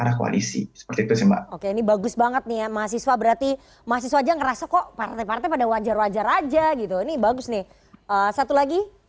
ya baik terima kasih kesempatannya